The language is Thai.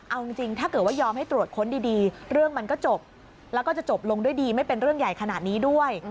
เอาจริงถ้าเกิดว่ายอมให้ตรวจค้นดีเรื่องมันก็จบแล้วก็จะจบลงด้วยดีไม่เป็นเรื่องใหญ่ขนาดนี้ด้วย